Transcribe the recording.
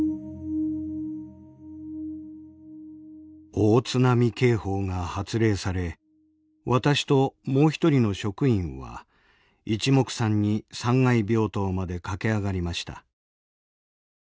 「大津波警報が発令され私ともう一人の職員は一目散に３階病棟まで駆け上がりました。